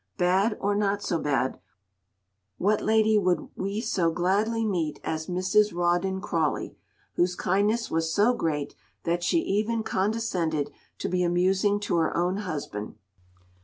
Bad or not so bad, what lady would we so gladly meet as Mrs. Rawdon Crawley, whose kindness was so great that she even condescended to be amusing to her own husband?